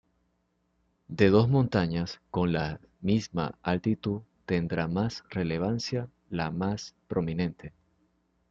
De dos montañas con la misma altitud, tendrá más relevancia la más prominente.